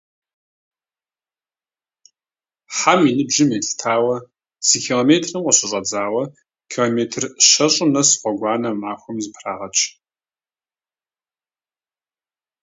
Хьэм и ныбжьым елъытауэ, зы километрым къыщыщӀэдзауэ, километр щэщӏым нэс гъуэгуанэ махуэм зэпрагъэч.